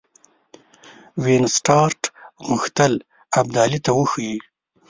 وینسیټارټ غوښتل ابدالي ته وښيي.